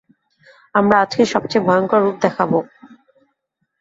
আমরা আজকে সবচেয়ে ভয়ঙ্কর রূপ দেখাবো।